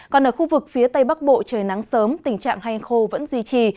còn ở khu vực phía tây bắc bộ trời nắng sớm tình trạng hanh khô vẫn duy trì